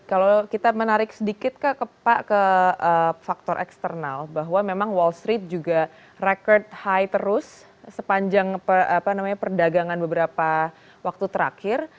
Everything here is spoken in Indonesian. kalau kita menarik sedikit ke faktor eksternal bahwa memang wall street juga record high terus sepanjang perdagangan beberapa waktu terakhir